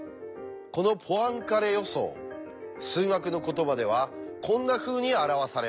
このポアンカレ予想数学の言葉ではこんなふうに表されます。